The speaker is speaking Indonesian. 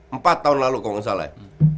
empat tahun lalu kalau nggak salah ya